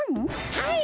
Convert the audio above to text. はい！